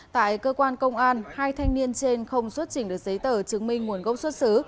tại cơ quan công an hai thanh niên trên không xuất trình được giấy tờ chứng minh nguồn gốc xuất xứ